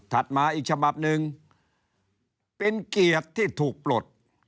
มาอีกฉบับหนึ่งเป็นเกียรติที่ถูกปลด